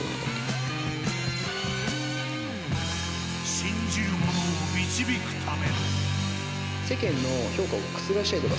信じるものを導くため。